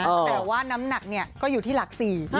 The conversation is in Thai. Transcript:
แต่ว่าน้ำหนักเนี่ยก็อยู่ที่หลัก๔